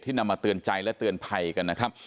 นำมาเตือนใจและเตือนภัยกันนะครับ